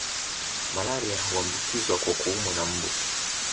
Malaria huambukizwa kwa kuumwa na mbu